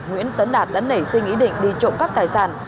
nguyễn tấn đạt đã nảy sinh ý định đi trộm cắp tài sản